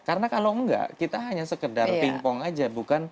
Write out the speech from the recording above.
karena kalau nggak kita hanya sekedar ping pong aja